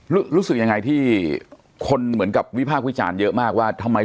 รู้รู้สึกยังไงที่คนเหมือนกับวิภาควิชานเยอะมากว่าทำไม